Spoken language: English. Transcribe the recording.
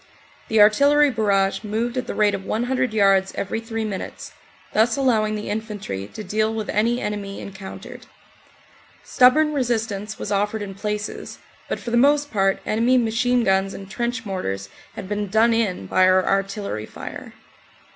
The artillery barrage moved at the rate of 100 yards every three minutes, thus allowing the infantry to deal with any enemy encountered. Stubborn resistance was offered in places, but for the most part enemy machine guns and trench mortars had been done in by our artillery fire.